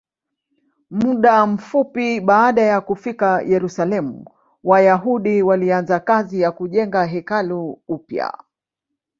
Muda mfupi baada ya kufika Yerusalemu, Wayahudi walianza kazi ya kujenga hekalu upya.